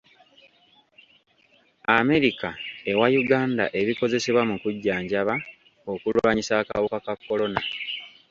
America ewa Uganda ebikozesebwa mu kujjanjaba okulwanyisa akawuka ka kolona.